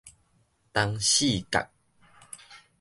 東勢角